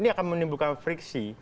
ini akan menimbulkan friksi